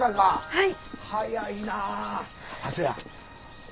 はい。